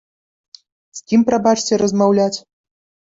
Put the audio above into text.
З кім, прабачце, размаўляць?